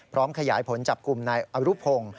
พร้อมขยายผลจับกลุ่มนายอรุพพลง